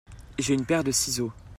J'ai une paire de siceaux.